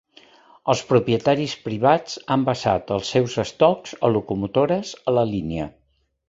Els propietaris privats han basat els seus estocs o locomotores a la línia.